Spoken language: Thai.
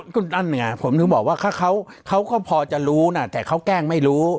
ก็นั่นไงผมถึงบอกว่าเขาก็พอจะรู้นะแต่เขาแกล้งไม่รู้